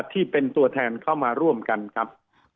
ที่เป็นตัวแทนเข้ามาร่วมกันครับ